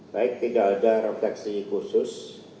baik tidak ada refleksi khusus